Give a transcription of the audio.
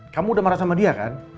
kamu udah marah sama dia kan